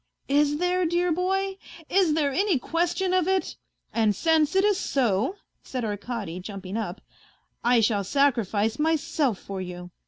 ,'|.. Is there, dear boy ? Is there any question of it ? And since it is so," said Arkady, jumping up, " I shall sacrifice myself forlfyou.